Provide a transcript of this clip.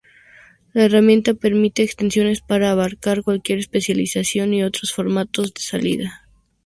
La herramienta permite extensiones para abarcar cualquier especialización y otros formatos de salida.